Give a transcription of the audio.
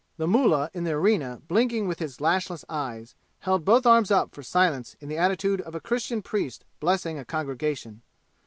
The mullah in the arena, blinking with his lashless eyes, held both arms up for silence in the attitude of a Christian priest blessing a congregation.